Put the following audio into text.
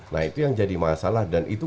nah itu yang jadi masalah dan itu